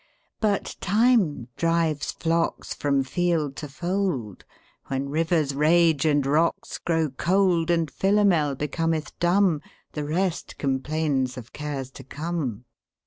But Time drives flocks from field to fold; When rivers rage and rocks grow cold; And Philomel becometh dumb; The rest complains of cares to come.